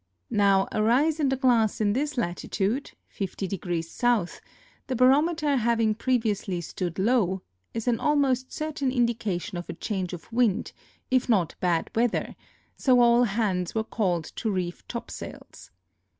Now a rise inHhe glass in this lati tude (50° south), the barometer having pVeviously stood low, is an almost certain indication of a change of wind, if not bad weather; so all hands were called to reef topsails.